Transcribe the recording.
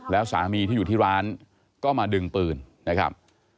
แล้วสามีที่อยู่ที่ร้านก็มาดึงปืนนะครับ